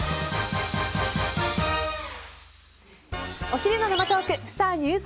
お昼の生トークスター☆